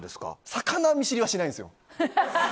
魚見知りはしないんですよ。